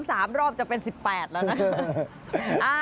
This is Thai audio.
สามรอบจะเป็นสิบแปดแล้วนะ